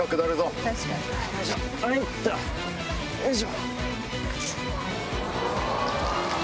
よいしょ。